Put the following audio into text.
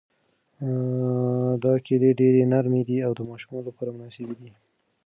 دا کیلې ډېرې نرمې دي او د ماشومانو لپاره مناسبې دي.